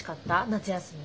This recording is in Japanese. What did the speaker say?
夏休み。